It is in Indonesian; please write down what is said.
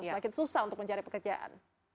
semakin susah untuk mencari pekerjaan